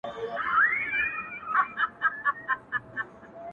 ډیري مو په هیله د شبقدر شوګیرۍ کړي؛